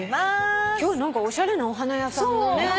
今日何かおしゃれなお花屋さんのね。